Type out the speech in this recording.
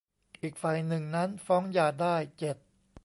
อีกฝ่ายหนึ่งนั้นฟ้องหย่าได้ เจ็ด